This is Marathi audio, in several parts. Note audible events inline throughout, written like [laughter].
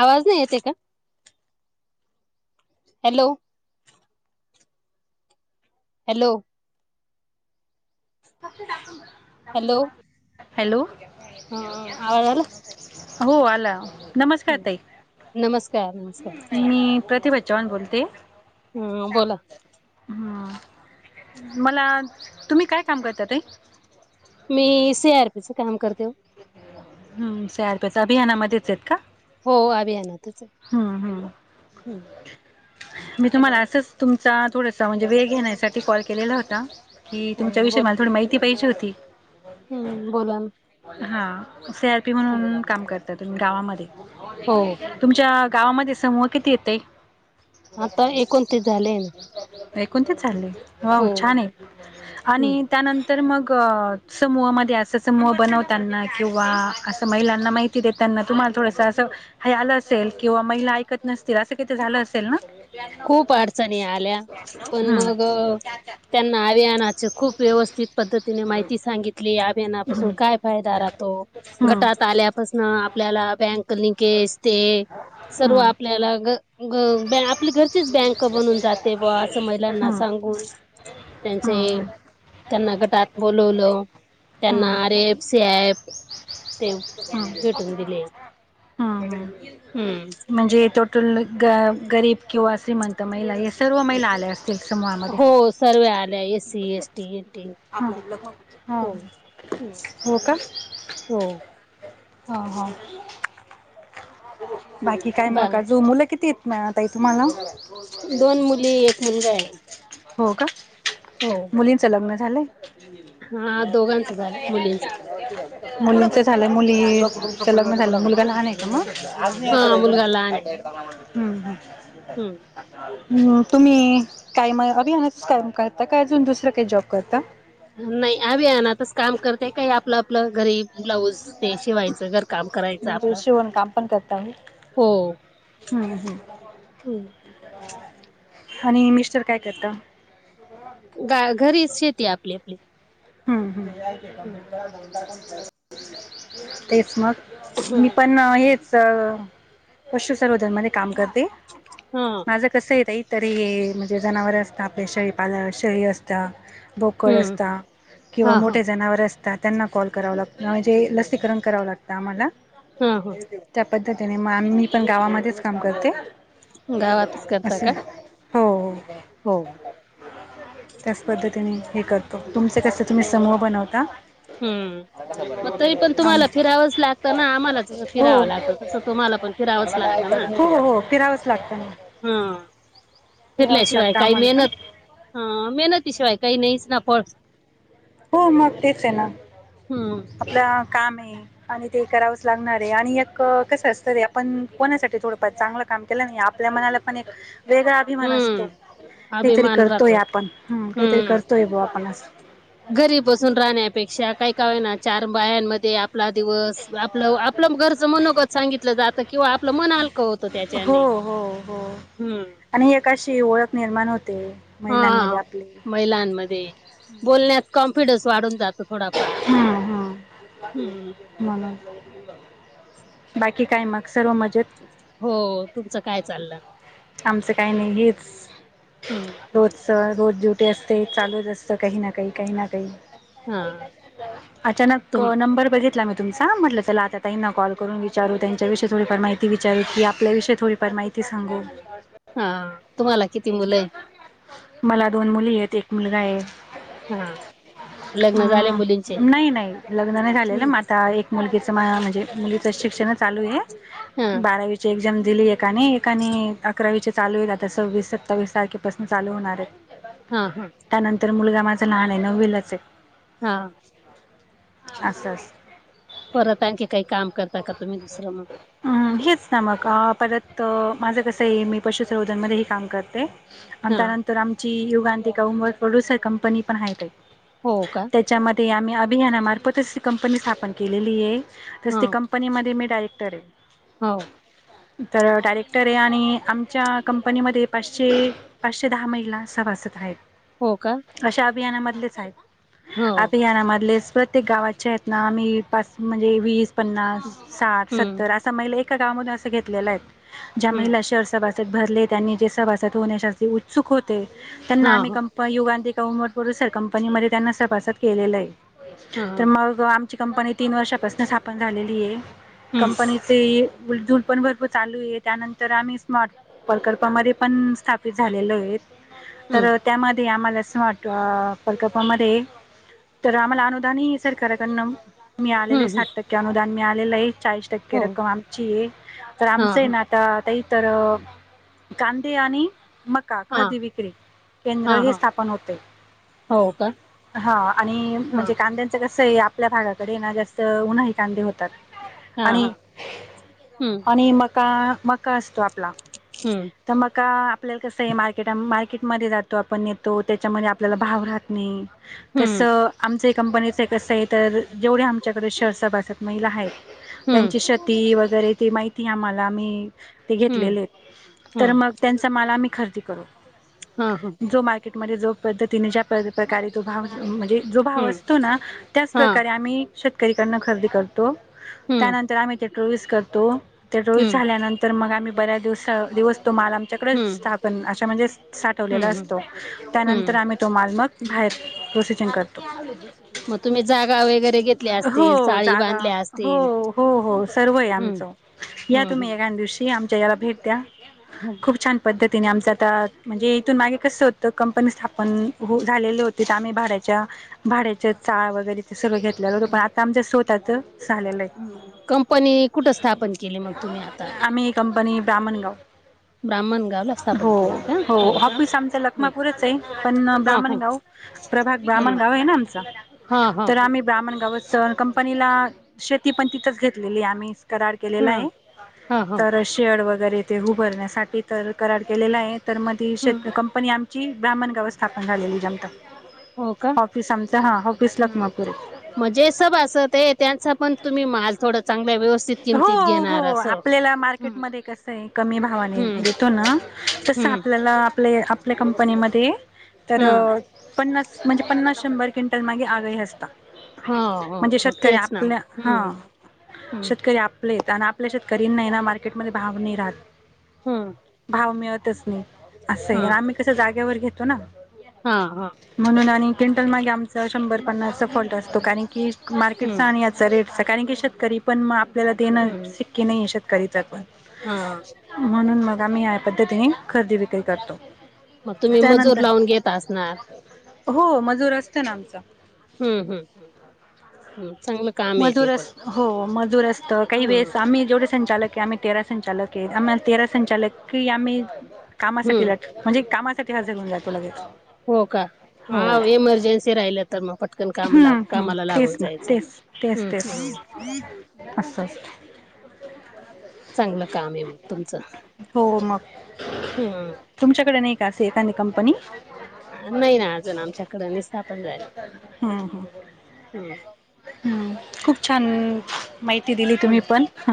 आवाज नही येत ये का? हॅलो. हॅलो. हॅलो [unintelligible] हॅलो हा आवाज आला? हो आला. नमस्कार ताई, नमस्कार नमस्कार मी प्रतिभा चव्हाण बोलते. हम्म बोला. हम्म, मला तुम्ही काय काम करता ताई? मी सी आर पीचं काम करते ओ. हम्म सी आर पीचं अभियानामध्येच आहेत का? हो अभियानातचये. हू हू मी तुम्हाला असंच तुमचा थोडासा म्हणजे वेळवघेण्यासाठी कॉल केलेला होता. कि तुमच्या हा विषयी मला थोडी माहिती पाहिजे होती. हू बोला ना. हा सी आर पी म्हणून काम करता तुम्ही गावामध्ये. हो. तुमच्या गावामध्ये समूह किती आहेत ताई? आता एकोणतीत. एकोणतीस झाले? हो छान ये. आणि हम्म. त्यांनंतर तर मग समूहामध्ये, असा समूह बनवताना किंवा असं महिलांना माहि ते देताना, तुम्हाला थोडसं असं हे आलं असेल. किंवा महिला ऐकत नसतील असं काहीतरी झालं असेल ना? खूप अडचणी आल्या, पण हम्म. मग त्यांना अभियानाचे खूप व्यवस्थित पद्धतीने माहिती सांगितली. अभियानापासून काय फायदा राहतो, हम्म गटात आल्यापासनं आपल्याला बँक गणीकेस ते सर्व हम्म आपल्याला ग, ग, आपले गण तीच बँक बनून जाते बॉ, असं हम्म महिलांना हम्म सांगून त्यांचे त्यांना गटात बोलवलं, त्यांना R F, C I F ते हम्, भेटून दिले हम्, हम्म हम्. म्हणजे टोटल ग गरीब किंवा श्रीमंत तं महिला हे सर्व महिला आल्या असतील समूहामध्ये. हो सर्व आल्या S C S T N T ह हं हो हो का? हो. ह ह बाकी काय मग बा काजू मुलं किती? मिळत आहे तुम्हाला. दोन मुली एक मुलगा आहे. हो का. हो. मुलींचं लग्न झालंय? हा दोघांचं झालंय मुलींचं. मुलींच झालंय मुलीच लग्न झालं मुलगा लहान आहे. हम हा मुलगा लहान आहे हम्म. [inaudible] हम्म तुम्ही काय मग अभियानच करता काय अजून दुसरं काही जॉब करता. नाही अभियानतच काम करते, काही आपलं आपलं गरीब ब्लाऊज ते शिवायचं घर काम करायचं आपलं. आपण करता ह [inaudible] हो! हम्म हम्म, हम्म आणि मिस्टर काय करतात. गा घरीच शेती आपली आपली. हम्म हम्म तेच ना मग मी पण हेच तर पशुसर्वोधनमध्ये काम करते. हां. माझं कसं ताई तरी म्हणजे जनावर आपले शेळी पाल शेळी असतं. बोकड हम्म असता किंवा हा हा मोठ्या जनावर असतं त्यांना काॅल करावं लागतं लसीकरण कराव लागत आम्हाला. हा हा त्या पद्धतीने मग आ मी पण गावामध्येच काम करते. गावातच करता का? हो [inaudible] हो. त्याच पद्धतीने हे करतो तुमचं कस तुम्ही समूह बनवता. हम्म. मग तरी पण आणि तुम्हाला फिरावंच लागतं ना आम्हाला जसं फिरावं लागतं तसं तुम्हाला पण फिरावंच लागतं ना. हो हो हो फिरावंच लागतं. हा फिरावंच फिरल्याशिवाय लागतं काही आम्हाला पण मेहनत हा मेहनती शिवाय काही नाहीच ना पळ हो मग तेच आहे ना. हम्म आपल्याला काम आहे. आणि ते करावंच लागणार आहे आणि एक कसं असतं रे आपण कोणासाठी थोडंफार चांगलं काम केलं नाही आपल्या मनाला पण एक वेगळा अभिमान असतो, हम्म. काहीतरी अभिमान करतोय राहतो आपण हम काहीतरी हम्म. करतोय बुवा आपण घरी बसून राहण्यापेक्षा काही का होईना वाय चार बायांमध्ये आपला दिवस आपलं आपलं घरचं मनोगत सांगितलं जातं किंवा आपलं मन हलकं होतं हो त्याठिकाणी. हो हो हम्म आणि एका अशी ओळख निर्माण होते महिलांमध्ये हा आपली. महिलांमध्ये बोलण्यात कॉन्फिडन्स वाढून जातो. थोडापार हम्म हम्म हम्म. म्हणून, बाकी काय मग सर्व मजेत. हो तुमचं काय चाललं. आमचं काही नाही हेच- हम्म रोच रोज ड्युटी असते चालूच असत काही ना काही काही ना काही. हा [unintelligible] अचानक तुम नंबर बघितला मी तुम्हचा म्हटलं त्याला ताई ना आता त्यांना कॉल करून विचारू त्यांच्याविषय थोडी फार माहिती विचारू की आपल्याविषयीथोडीफार माहिती. की सांगु. हा तुम्हाला किती मुलं आहे. मला दोन मुली आहेत एक मुलगा आहे. हा. [inaudible] लग्न झाले हम् मुलींचे नाही नाही लग्न नाही झालेलं हम्म मग आता एक मुलगीचं म म्हणजे मुललीचं शिक्षण चालू हा आहे बारावीची एक्झाम दिली एकाने एकाने अकरावी चालू येईल आता सव्वीस सत्तावीस तारखेपासून चालू होणार आहेत. हा हा त्यानंतर मुलगा माझं लहान आहे नवीलाच आहे. हा [inaudible] आस् अस परत आणखी काही काम करता का तुम्ही दुसरं मग. हम् हेच ना मग परत माझं कस आहे मी पशुसंवोधन मध्ये ही काम करते. आणि हा त्यानंतर आमची युगांतेका उंबर प्रोड्युसर कंपनी पण आहे ताई. हो का. च्यामध्ये आम्ही अभियानामार्फतच ती कंपनी स्थापन केलेली आहे, तस हा ती कंप कंपनी मध्ये मी डयरेक्टर आहे. हो. तर डायरेक्टर आहे आणि आमच्या कंपनीमध्ये पाचशे पाचशे दहा महिला सभासत आहेत. हो का. अशा अभियानामधलेच आहेत, हो अभियानामधलेच ते गावाच्या आहेत ना आही पास म्हणजे वीस पन्नास साठ हम्म सत्तर अस महिला एका गावात अस घेतलेला आहेत, ज्या हम्म महिला शहर सभासद भरले त्यांनी जे सभासद होण्याच्या उत्सुक होते त्यांना हा आम्ही हा पण युगांततीका उमटपर सर कंपनीमध्ये त्यांना सभासद केलेलं आहे हा तर मग हो आमची कंपनी तीन वर्षापासून स्थापन झालेली आहे हम्म कंपनी ते उलजूल पण भरपूर चालू आहे त्यानंतर आम्ही स्मार्ट प्रकल्पामध्ये पण स्थापित झालेल आहे, हम्म तर त्यामध्ये ते आम्हाला स्मार्ट प्रकल्पामध्ये तर आम्हाला अनुदानही सरकाराकडन मी आलेले हम्म आहे हम्म साठ टक्के अनुदान मीळालेलं आहे, चाळीस टक्के हो रक्कम आमची आहे, तर हा आमचं आहे हा ना आ तेहीतर कांदे आणि मग का हा खरदी विक्री केंद्र हा हे हा स्थापन होते. हो का. हा आणि हा म्हणजे कांद्यांचं कसं आहे, आपल्या भागाकडे ना जास्त उन्हाळी कांदे होते. हा हा आणि हम्म आणि मका मका असतो आपला. हम्म तर मका आपल्याला कसं आहे मार्केट मार्केटमध्ये जातो आपण येतो त्याच्यामध्ये आपल्याला भाव राहत नाही. हम्म तसं आमच कंपनीचं एक कसं आहे तर जेवढ्या आमच्याकडे शहर्स सभासद महिला आहेत. हम्म त्यांची शती वगैरे ते माहिती आम्हाला मी ते घातले हम्म ले आहेत. हा तर मग त्यांचा माल आम्ही खरेदी करतो. हा ह. जो मार्केटमध्ये जो पद्धतीने ज्या प्रकारे तो भाव म्हणजे जो भाव हम्म असतो ना हा त्याचप्रकारे आम्ही शेतकरी कडन खरेदी करतो. हम्म त्यानंतर आम्ही ते ट्रोवीस करतो, ते ट्रवीस हम्म झाल्यानंतर तर मग आम्ही बऱ्या दिवसा दिवस तो माल आम्ही- - तिकडंच हम्म स्थापन अशा म्हणजे साठवलेला हम्म असतो त्यानंतर हम्म आम्ही तो माल मग बाहेर प्रोसिजन करतो मग तुम्ही जागा वगैरे घेतल्या असतील हो चाळी जागा बांधल्या हो असतील. हो हो सर्व आहे हम्म आमच या हम्म तुम्ही या हम्म एकांदिवशी आमच्या याला भेट द्या हो खूप छान पद्धतीने आमचं आता म्हणजे इथून मागे कसं होतं कंपनी स्थापन हो झालेलं होत तिथं आम्ही भाड्याच्या भाड्याच चाळ वगैरे ते सगळं घेतलेलं होतो पण आता आमच्या स्वतःचं कंपनी कुठं स्थापन केली मग तुम्ही आता आम्ही कंपनी ब्राम्हणगाव ब्राह्मणगावला हो स्थापन केली का? हो का ऑफिस आमचा हम्म लखमापूरच आहे पण हा हा ब्राम्हणगाव प्रभाग हम्म ब्राम्हणगाव आहे ना आमच हा हा तर हा. आम्ही ब्राम्हणगावच कंपनीला शेती पण तिथंच घेतलेली आहे आम्ही करार केलेला हम्म. आहे हा हा तर शेड वगैरे ते उभरण्यासाठी तर करार केलेला आहे. तर मग ती हम्म शेतकंपनी आमची ब्राम्हणगावच स्थापन झालेली जमताच हो का ऑफिस आमच हा ऑफिस लखमापूर आहे मणजे सब असत ते त्यांचा पण तुम्ही माझ हो हो असं. आपल्याला हम्म. मार्केटमध्ये कस आहे कमी भावाने हम्म देतो ना तस हम्म आपल्याला आपल्या आपल्या कंपनीमध्ये तर हा पन्नास म्हणजे पन्नास शंभर क्विंटल मागे ऑर्डर ही असता हो हो म्हणजे शेतकरी आपल्या हा हम् ते आपले आणि आपल्या शेतकरीन नाही ना मार्केटमध्ये भाव नाही राहत हम्म भाव मिळतच नाही असं आहे हा. आम्ही कस जागेवर घेतो ना हा हा म्हणून आणि क्विंटल मागे आमचा शंभर पन्नासचा फॉल्ट असतो कारण की मार्केटचा हम्म आणि हेचा रेटचा कारण की शेतकरी पण मा आपल्या देणं हम्म शक्य नाहीे शेतकरीच पण हा म्हणून मग आम्ही या पद्धतीने खरेदी विक्री करतो मग तुम्ही मजूर त्यानंतर लावून घेता असणार हो मजूर असतो ना आमचा हम्म हम् हम् चांगलं का - - मजूर अस हो मजूर असत काही हम्म वेळेस आम्ही जेवढे संचालक आहे आम्ही तेरा संचालक आहे आम्हाला तेरा संचालकी आम्ही कामासाठी हम्म लाग- - म्हणजे कामासाठी हजर होऊन जातो लगेच हो का हो हा एमर्जन्सी राहिले तर मग पटकन कामला हम्म हम्म कामाला लागून तेच ना जायचं हम् हम अस असता चांगलं काम आहे मग तुमचं हो मग हम्म तुमच्याकडे नाही का असे एखादी कंपनी नाही ना अजून आमच्याकड नि स्थापन झाली. हम हम हम हम् खूप छान माहिती दिली तुम्ही हम्म पण हा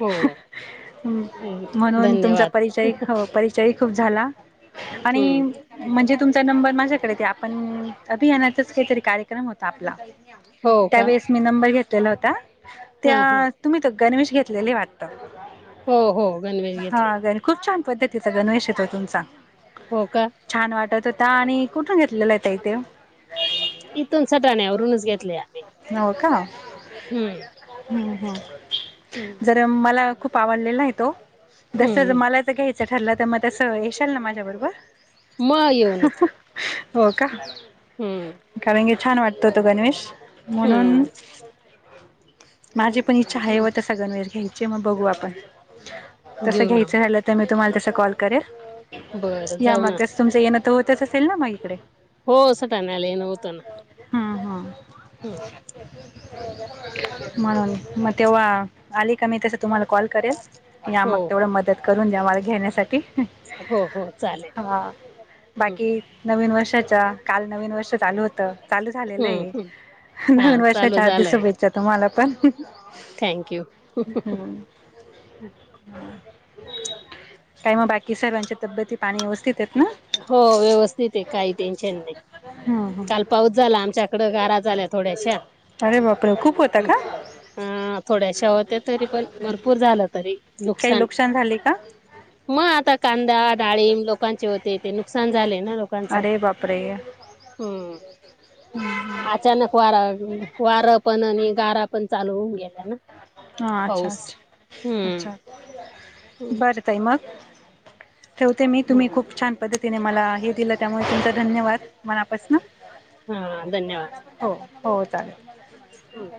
हो हम्म, म्हणून तुमचा धन्यवाद परिचय हो परि चयही खूप झाला आणि हम्म म्हणजे तुमचा नंबर माझ्याकडे ते आपण अभियानातच काहीतरी कार्यक्रम होता आपला हो का त्यावेेळेस मी नंबर घेतलेला होता हा त्या हा तुम्ही ते गणवेश घेतलेले ये वाटत. हो हो गणवेश घेतले. खूप छान पद्धतीचा गणेवेश ये तो तुमचा हो का छान वाटत होता आणि कुठून घेतलेला आहे ताउ त्यो इथून सटाण्या वरूनच घेतल्या. हो का हम्म हम्म कारण खूप आवडला ये तो जस हम्म मला घ्यायचा ठरला तर मग तस येशाल ना माझ्या मग येऊ बरोबर ना हो का हम्म कारण की छान वाटतो तो गणवेश म्हणून हम्म. माझी पण इच्छा आहे ओ तसा गणवेश घ्यायची. मग बघू आपण तसं घेऊ ना मग घ्यायचं झालं तर मी तुम्हाला तस कॉल करेल. बरं या जाऊ मग ना तस तुमचं येणं तर होतच असेल ना मग इकडे. हो सटाण्याला येण होतं ना. हम्म हम्म हम्म. म्हणून मग तेव्हा आली का मी तसं मी तुम्हाला कॉल करेल, या हो मग हो तेवढं मदत करून मला घेण्यासाठी हो हो चालेल. हा हम्म बाकी नवीन वर्षाच्या काल नवीन वर्षा चालू होत चालू झालेलं हम्म ये. हम्म हा नवीन चालू वर्षाच्या हार्दिक झालंय शुभेच्छा तुम्हाला पण हम्म. ह काय मग बाकी सर्वांचे तब्येती पाणी व्यवस्थित ये ना हो व्यवस्थित ये काही टेन्शन नाही हा हा काल पाऊस झाला आमच्याकड गारा झाल्यात. अरे बापरे! खूप होता का? हा थोड्याशा होत्या तरी पण भरपूर झालं तरी नुक काही नुकशान झाली का? मग आता कांदा डाळीम लोकांचे होते. ते नुकसान झाले ना लोकांचं, अरे बापरे हम्म. हा अचानक वारा वार पण आणि गारा पण चालू होऊन गेल्या ना हां अच्छा पाऊस अच्छा अच्छा हम्म भाज्या ताई मग ठेवते मी तुम्ही हम्म खूप छान पद्धतीने मला हे दिलं त्यामुळे तुमचा धन्यवाद मनापासन. हा धन्यवाद. हो हो चालेल. हम्म.